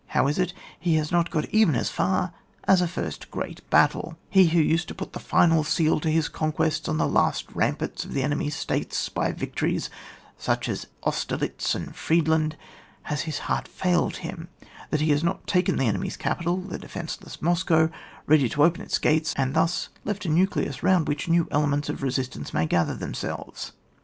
How is it, he has not got even as far as a first great battle? he who used to put the final seal to his conquests on the last ramparts of the enemy's states, by vic tories such as Austerlitz and Friedland. Has his heart' failed him that he has not taken the enemy's capital, the defenceless Moscow, ready to open its gates, and thus left a nucleus round which new ele ments of resistance may gather them selves?